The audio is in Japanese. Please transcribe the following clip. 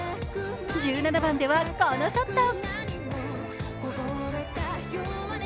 １７番ではこのショット。